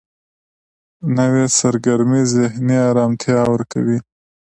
نوې سرګرمي ذهني آرامتیا ورکوي